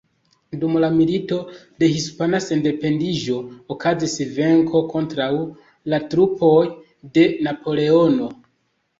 Dum la Milito de Hispana Sendependiĝo okazis venko kontraŭ la trupoj de Napoleono.